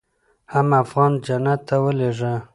حم افغان جنت ته ولېږه.